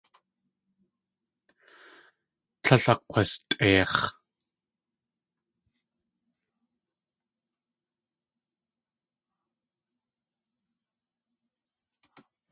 Tlél akg̲wastʼeix̲.